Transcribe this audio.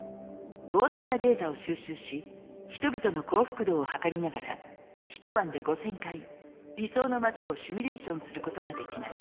膨大なデータを収集し人々の幸福度をはかりながら一晩で５，０００回理想の街をシミュレーションすることができます。